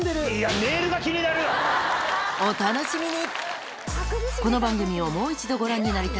・お楽しみに！